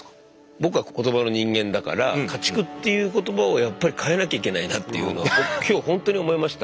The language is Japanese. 僕は言葉の人間だから家畜っていう言葉をやっぱり変えなきゃいけないなっていうのを今日ほんとに思いました。